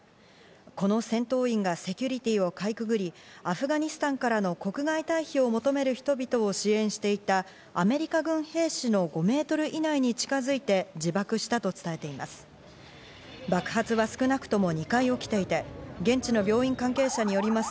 この戦闘員がセキュリティーをかいくぐりアフガニスタンからの国外退避を求める人々を支援していたアメリカ軍兵士の５ｍ以内に近づいて自爆したと伝えています。